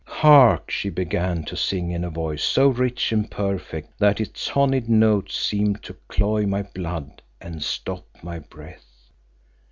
Hark! she began to sing in a voice so rich and perfect that its honied notes seemed to cloy my blood and stop my breath.